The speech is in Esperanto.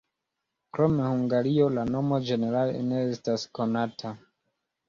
Krom Hungario la nomo ĝenerale ne estas konata.